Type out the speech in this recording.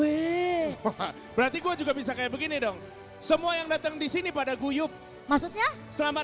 wih berarti gue juga bisa kayak begini dong semua yang datang di sini pada guyup maksudnya selamat